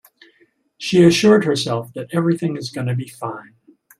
She assured herself that everything is gonna be fine.